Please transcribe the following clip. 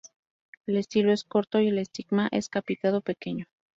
El estilo es corto y el estigma es capitado, pequeño.